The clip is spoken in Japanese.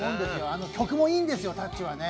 あの曲もいいんですよ、「タッチ」はね。